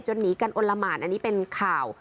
หนีกันอลละหมานอันนี้เป็นข่าว